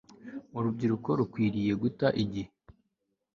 urubyiruko rukwiriye guta igihe